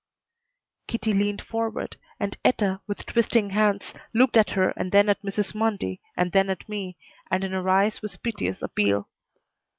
Kitty leaned forward, and Etta, with twisting hands, looked at her and then at Mrs. Mundy and then at me, and in her eyes was piteous appeal.